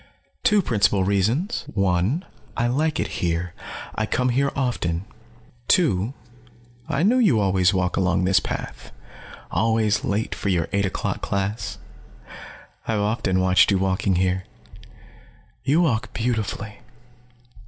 "Two principal reasons. One, I like it here; I come here often. Two, I knew you always walk along this path, always late for your eight o'clock class. I've often watched you walking here. You walk beautifully."